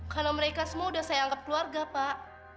karena mereka semua udah saya anggap keluarga pak